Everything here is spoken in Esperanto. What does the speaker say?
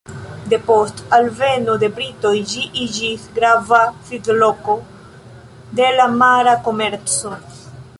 Depost alveno de britoj ĝi iĝis grava sidloko de la mara komerco.